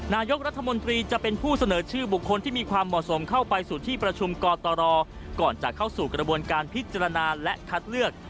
นายกรัฐมนตรีจะเป็นผู้เสนอชื่อบุคคลที่มีความเหมาะสมเข้าไปสู่ที่ประชุมกตรก่อนจะเข้าสู่กระบวนการพิจารณาและคัดเลือก